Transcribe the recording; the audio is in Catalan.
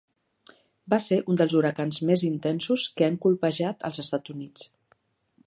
Va ser un dels huracans més intensos que han colpejat els Estats Units.